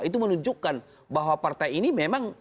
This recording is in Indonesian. itu menunjukkan bahwa partai ini memang